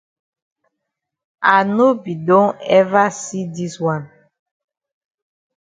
I no be don ever see dis wan.